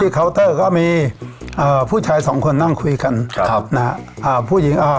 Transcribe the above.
ก็มีเอ่อผู้ชายสองคนนั่งคุยกันครับนะฮะอ่าผู้หญิงอ่า